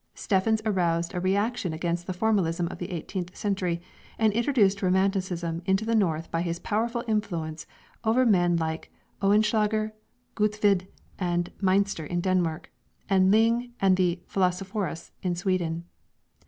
Steffens aroused a reaction against the formalism of the eighteenth century, and introduced romanticism into the North by his powerful influence over men like Oehlenschläger, Grundtvig, and Mynster in Denmark, and Ling and the "Phosphorists" in Sweden.